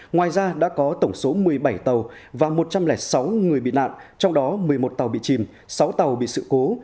ngoài ra đã có tổng số một mươi bảy tàu và một trăm linh sáu người bị nạn trong đó một mươi một tàu bị chìm sáu tàu bị sự cố